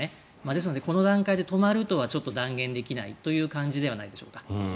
ですので、この段階で止まるとはちょっと断言できないという感じでしょうか。